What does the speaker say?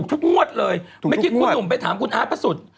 คุณหนุ่มไปถามคุณอ้าวประสุทธิ์